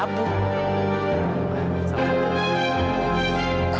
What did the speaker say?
bapaknya sama anak muda